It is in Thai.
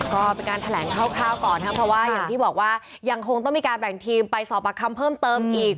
ก็เป็นการแถลงคร่าวก่อนนะครับเพราะว่าอย่างที่บอกว่ายังคงต้องมีการแบ่งทีมไปสอบปากคำเพิ่มเติมอีก